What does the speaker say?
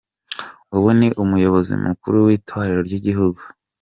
Ubu ni umuyobozi mukuru w’Itorero ry’igihugu.